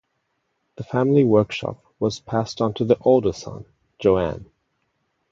The family workshop was passed onto the older son, Joan.